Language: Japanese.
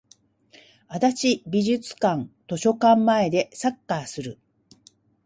足立美術館図書館前でサッカーする